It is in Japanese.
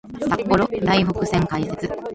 札幌・台北線開設